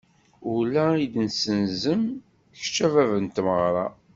Ula i d-senzem, kečč a bab n tmeɣra.